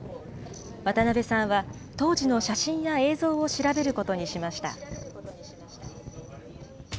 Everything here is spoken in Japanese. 渡邊さんは当時の写真や映像を調べることにしました。